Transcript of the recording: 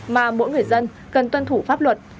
mà mỗi người dân cần tuân thủ pháp luật